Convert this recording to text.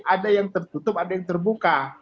ada yang tertutup ada yang terbuka